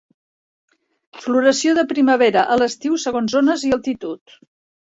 Floració de primavera a l'estiu segons zones i altitud.